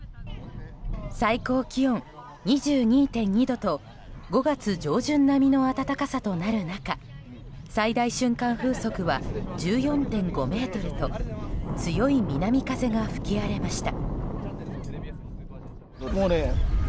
最高気温２２．２度と５月上旬並みの暖かさとなる中最大瞬間風速は１４．５メートルと強い南風が吹き荒れました。